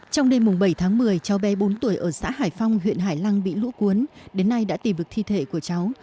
trong đêm bảy tháng một mươi cháu bé bốn tuổi ở xã hải phong huyện hải lăng bị lũ cuốn đến nay đã tìm được thi thể của cháu